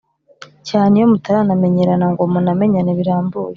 cyane iyo mutaramenyerana ngo munamenyane birambuye.